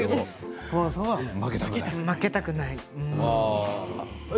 負けたくないから。